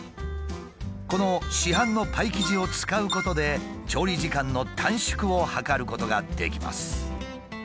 この市販のパイ生地を使うことで調理時間の短縮を図ることができます。